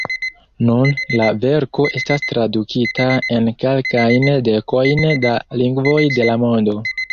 Nun la verko estas tradukita en kelkajn dekojn da lingvoj de la mondo.